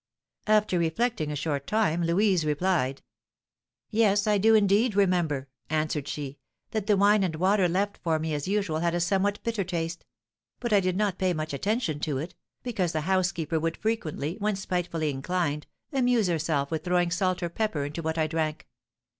After reflecting a short time, Louise replied: "Yes, I do indeed remember," answered she, "that the wine and water left for me as usual had a somewhat bitter taste; but I did not pay much attention to it, because the housekeeper would frequently, when spitefully inclined, amuse herself with throwing salt or pepper into what I drank."